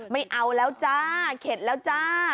ไม่เอาแล้วจ้าเข็ดแล้วจ้า